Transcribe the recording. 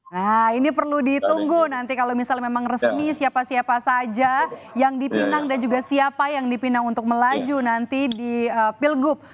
nah ini perlu ditunggu nanti kalau misalnya memang resmi siapa siapa saja yang dipinang dan juga siapa yang dipinang untuk melaju nanti di pilgub